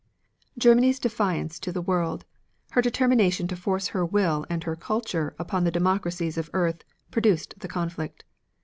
Germany's defiance to the world, her determination to force her will and her "kultur" upon the democracies of earth, produced the conflict.